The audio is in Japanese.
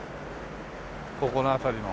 ここの辺りの。